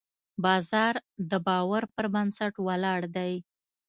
بازار د باور پر بنسټ ولاړ دی.